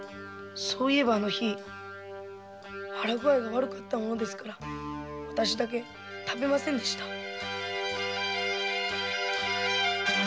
そういえばあの日腹具合が悪かったものですからわたしだけ食べませんでした。